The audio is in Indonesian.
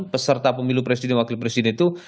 peserta pemilu presiden dan wakil presiden itu